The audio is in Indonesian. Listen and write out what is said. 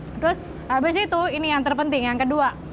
terus habis itu ini yang terpenting yang kedua